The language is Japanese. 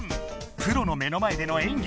プロの目の前での演技